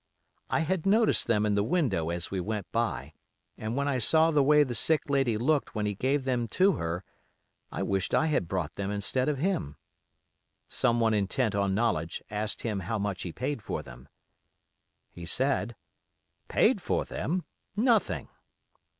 I had noticed them in the window as we went by, and when I saw the way the sick lady looked when he gave them to her, I wished I had brought them instead of him. Some one intent on knowledge asked him how much he paid for them? "He said, 'Paid for them! Nothing.